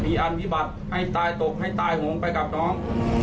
มีอันวิบัติให้ตายตกให้ตายโหงไปกับน้อง